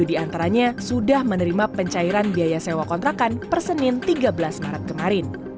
satu ratus dua puluh tujuh di antaranya sudah menerima pencairan biaya sewa kontrakan per senin tiga belas maret kemarin